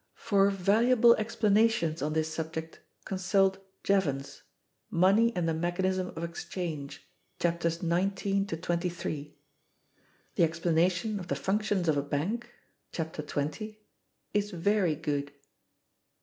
(242) For valuable explanations on this subject, consult Jevons, "Money and the Mechanism of Exchange," Chapters XIX XXIII. The explanation of the functions of a bank, Chapter XX, is very good.